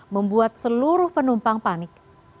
membuat seluruh penumpang panik